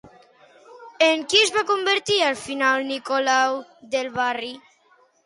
En qui es va convertir al final Nicolau de Bari?